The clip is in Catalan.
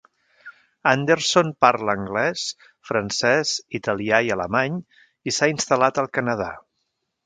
Anderson parla anglès, francès, italià, i alemany, i s'ha instal·lat al Canadà.